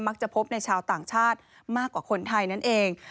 จะพบในชาวต่างชาติมากกว่าคนไทยนั่นเอง